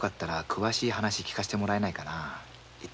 詳しい話を聞かせてもらえないかい？